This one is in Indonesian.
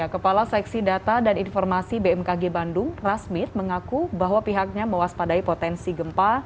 kepala seksi data dan informasi bmkg bandung rasmit mengaku bahwa pihaknya mewaspadai potensi gempa